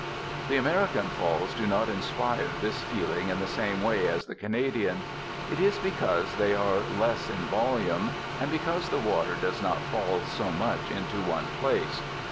The American Falls do not inspire this feeling in the same way as the Canadian. It is because they are less in volume, and because the water does not fall so much into one place.